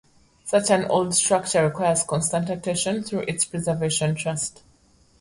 Such an old structure requires constant attention through its Preservation Trust.